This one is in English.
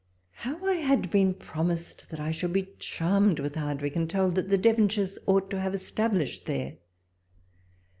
How I had been promised that I should be charmed with Hardwicke, and told that the Devonshires ought to have established there